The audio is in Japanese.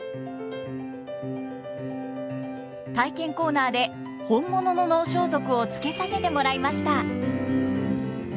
体験コーナーで本物の能装束を着けさせてもらいました。